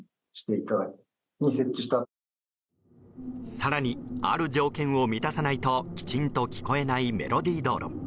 更に、ある条件を満たさないときちんと聞こえないメロディー道路。